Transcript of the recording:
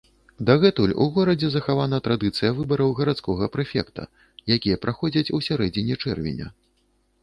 Дагэтуль у горадзе захавана традыцыя выбараў гарадскога прэфекта, якія праходзяць у сярэдзіне чэрвеня.